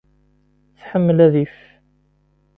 Tḥemmel adif.